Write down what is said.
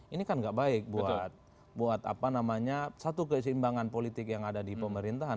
ini kan gak baik buat apa namanya satu keseimbangan politik yang ada di pemerintahan